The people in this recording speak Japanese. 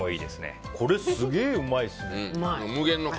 これすげえうまいですね。